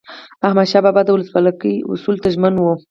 احمدشاه بابا به د ولسواکۍ اصولو ته ژمن و.